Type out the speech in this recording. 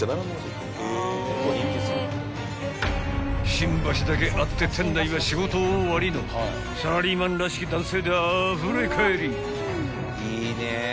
［新橋だけあって店内は仕事終わりのサラリーマンらしき男性であふれかえり］